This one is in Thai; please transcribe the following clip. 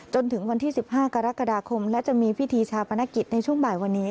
จนถึงวันที่๑๕กรกฎาคมและจะมีพิธีชาปนกิจในช่วงบ่ายวันนี้